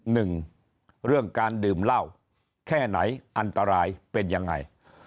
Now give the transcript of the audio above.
หนึ่งเรื่องการดื่มเหล้าแค่ไหนอันตรายเป็นยังไง